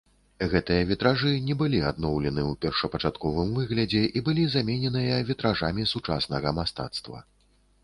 Гэтыя вітражы не былі адноўлены ў першапачатковым выглядзе і былі замененыя вітражамі сучаснага мастацтва.